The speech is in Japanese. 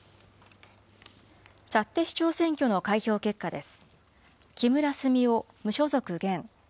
幸手市長選挙の開票結果です。